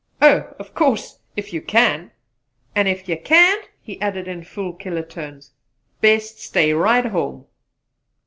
"Oh! of course if you can?" "An' ef you can't" he added in fool killer tones, "best stay right home!"